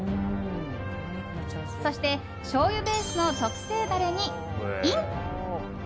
そして、しょうゆベースの特製ダレにイン！